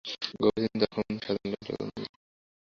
গভীর চিন্তায় অক্ষম সাধারণ লোক সকল দেশেই দ্বৈতবাদী হইয়া থাকে।